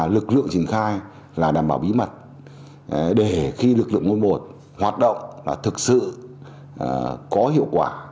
lực lượng triển khai là đảm bảo bí mật để khi lực lượng một trăm bốn mươi một hoạt động và thực sự có hiệu quả